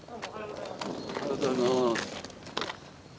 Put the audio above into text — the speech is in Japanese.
おはようございます。